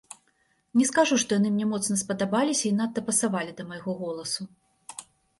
Не скажу, што яны мне моцна спадабаліся і надта пасавалі да майго голасу.